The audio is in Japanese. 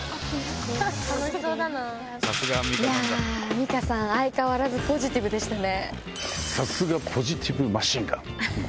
ミカさん相変わらずポジティブでしたね。